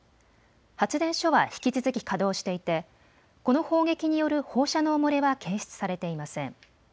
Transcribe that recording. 発電所は引き続き稼働していてこの砲撃による放射能漏れは検出されていません。